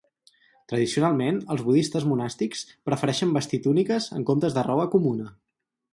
Tradicionalment els budistes monàstics prefereixen vestir túniques en comptes de roba comuna.